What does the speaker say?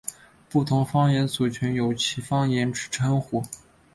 不同方言族群有其方言之称呼。